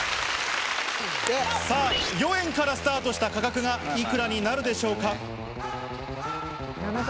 さあ、４円からスタートした価格が、いくらになるでしょうか。